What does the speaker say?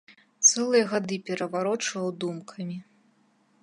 Цэлыя гады пераварочваў думкамі.